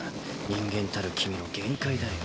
人間たる君の限界だよ。